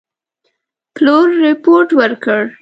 پلور رپوټ ورکړ.